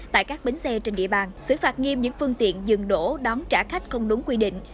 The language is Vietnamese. tại các bến xe trên địa bàn xử phạt nghiêm những phương tiện dừng đổ đón trả khách không đúng quy định